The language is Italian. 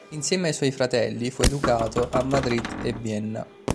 Insieme ai suoi fratelli, fu educato a Madrid e Vienna.